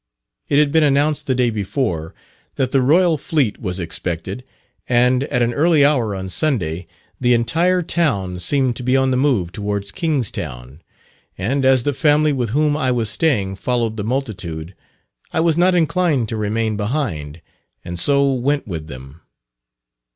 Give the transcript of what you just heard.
It had been announced the day before, that the Royal fleet was expected, and at an early hour on Sunday, the entire town seemed to be on the move towards Kingstown, and as the family with whom I was staying followed the multitude, I was not inclined to remain behind, and so went with them.